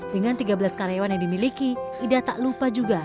dengan tiga belas karyawan yang dimiliki ida tak lupa juga